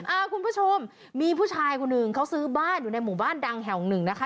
คุณผู้ชมมีผู้ชายคนหนึ่งเขาซื้อบ้านอยู่ในหมู่บ้านดังแห่งหนึ่งนะคะ